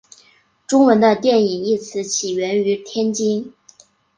中文的电影一词起源于天津。